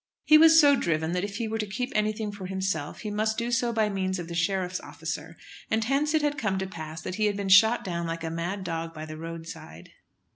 He was so driven that if he were to keep anything for himself he must do so by means of the sheriff's officer, and hence it had come to pass that he had been shot down like a mad dog by the roadside.